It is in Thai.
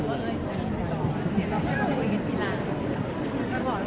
เวลาแรกพี่เห็นแวว